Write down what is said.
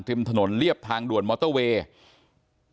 ริมถนนเรียบทางด่วนมอเตอร์เวย์